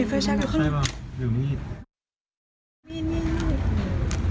ไฟแช็คไฟแช็คอยู่ข้างนอก